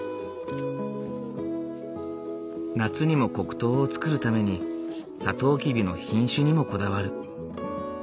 夏にも黒糖を作るためにサトウキビの品種にもこだわる。